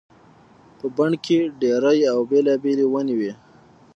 په بڼ کې ډېرې او بېلابېلې ونې وي.